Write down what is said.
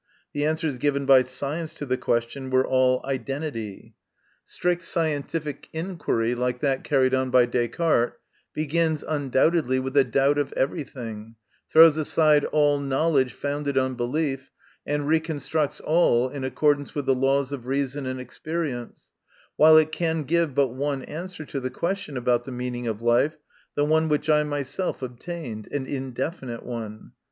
The answers given by science to the question were all "identity." MY CONFESSION. 85 Strict scientific inquiry, like that carried on by Descartes, begins undoubtedly with a doubt of everything, throws aside all knowledge founded on belief, and reconstructs all in accordance with the laws of reason and experience, while it can give but one answer to the question about the meaning of life, the one which I myself obtained an indefinite one.